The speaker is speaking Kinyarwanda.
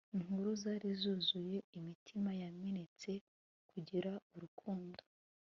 inkuru zari zuzuye imitima yamenetse kubera urukundo